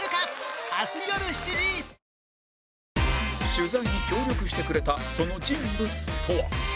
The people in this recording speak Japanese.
取材に協力してくれたその人物とは。